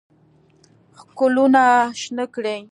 ښکلونه شنه کړي